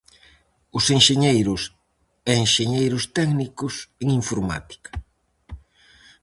Os enxeñeiros e enxeñeiros técnicos en Informática.